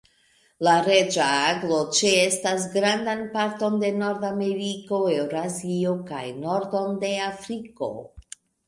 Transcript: La Reĝa aglo ĉeestas grandan parton de Nordameriko, Eŭrazio kaj nordon de Afriko.